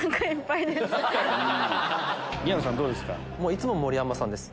いつも盛山さんです。